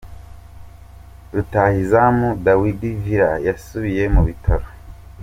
Rutahizamu Dawidi Vila yasubiye mu bitaro